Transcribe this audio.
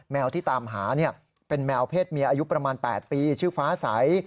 แมวที่ตามหาเป็นแมวเพศเมียอายุประมาณ๘ปีชื่อฟ้าใส